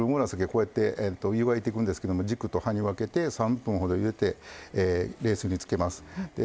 こうやって湯がいていくんですけども軸と葉に分けて３分ほどゆでて冷水につけます。